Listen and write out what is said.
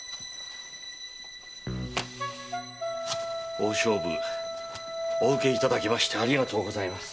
大勝負お受けいただきましてありがとうございます。